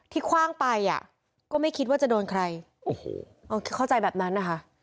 คว่างไปอ่ะก็ไม่คิดว่าจะโดนใครโอ้โหเข้าใจแบบนั้นนะคะ